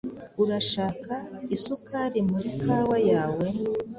Urashaka isukari muri kawa yawe?